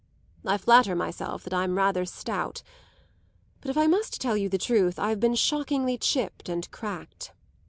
I flatter myself that I'm rather stout, but if I must tell you the truth I've been shockingly chipped and cracked.